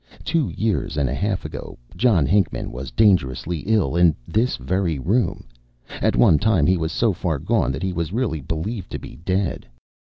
Two years and a half ago, John Hinckman was dangerously ill in this very room. At one time he was so far gone that he was really believed to be dead.